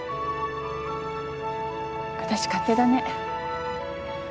私勝手だね。